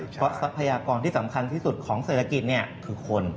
เพราะทรัพยากรที่สำคัญที่สุดของเศรษฐกิจคือคน